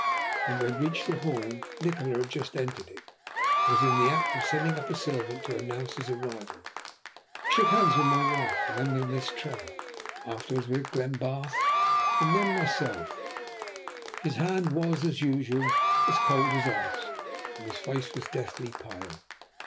When we had reached the hall, Nikola had just entered it, and was in the act of sending up a servant to announce his arrival. He shook hands with my wife, then with Miss Trevor, afterwards with Glenbarth and myself. His hand was, as usual, as cold as ice and his face was deathly pale.